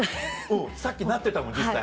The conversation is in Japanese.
うんさっきなってたもん実際。